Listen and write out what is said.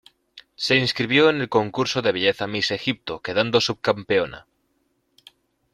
Se inscribió en el concurso de belleza Miss Egipto quedando subcampeona.